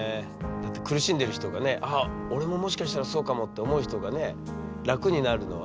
だって苦しんでる人がね「あっ俺ももしかしたらそうかも」って思う人がね楽になるのはね。